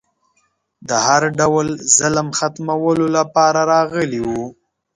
د هر ډول ظلم ختمولو لپاره راغلی و